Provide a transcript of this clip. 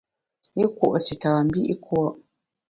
I kùo’ tita mbi’ kùo’.